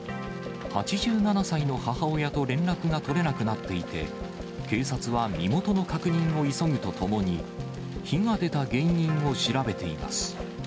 ８７歳の母親と連絡が取れなくなっていて、警察は身元の確認を急ぐとともに、火が出た原因を調べています。